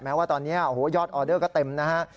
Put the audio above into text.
ว่าตอนนี้โอ้โหยอดออเดอร์ก็เต็มนะฮะ